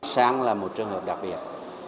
sang là một trường hợp đặc biệt